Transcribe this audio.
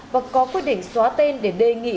và có quyết định xóa tên để đề nghị